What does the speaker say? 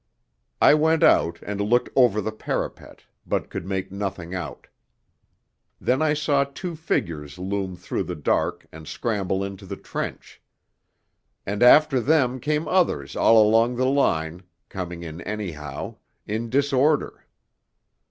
I went out and looked over the parapet, but could make nothing out. Then I saw two figures loom through the dark and scramble into the trench. And after them came others all along the line, coming in anyhow, in disorder.